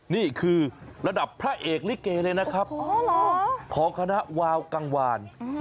นี่คือระดับพระเอกลิเกเลยนะครับของคณะวาวกังวาน